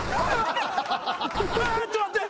ああちょっと待って。